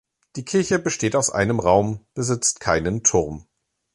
Die Kirche besteht aus einem Raum, besitzt keinen Turm.